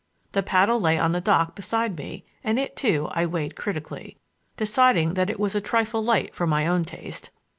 The paddle lay on the dock beside me and it, too, I weighed critically, deciding that it was a trifle light for my own taste.